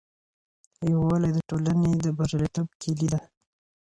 یووالي د ټولني د بریالیتوب کیلي ده.